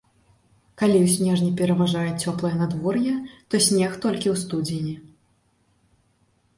Калі ў снежні пераважае цёплае надвор'е, то снег толькі ў студзені.